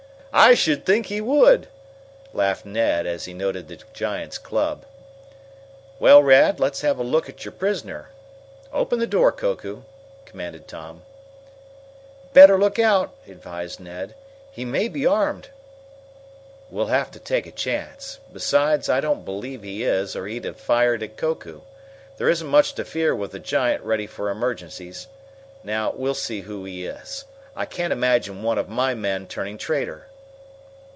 "I should think he would," laughed Ned, as he noted the giant's club. "Well, Rad, let's have a look at your prisoner. Open the door, Koku," commanded Tom. "Better look out," advised Ned. "He may be armed." "We'll have to take a chance. Besides, I don't believe he is, or he'd have fired at Koku. There isn't much to fear with the giant ready for emergencies. Now we'll see who he is. I can't imagine one of my men turning traitor."